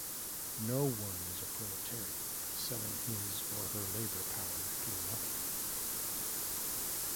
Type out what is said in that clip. No-one is a proletarian, selling his or her labor power to another.